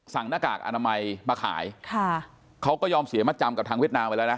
หน้ากากอนามัยมาขายค่ะเขาก็ยอมเสียมัดจำกับทางเวียดนามไปแล้วนะ